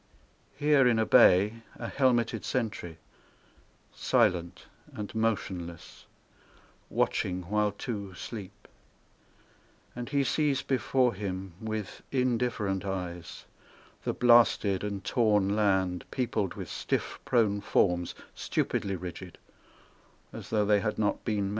Here in a bay, a helmeted sentry Silent and motionless, watching while two sleep, And he sees before him With indifferent eyes the blasted and torn land Peopled with stiff prone forms, stupidly rigid, As tho' they had not been men.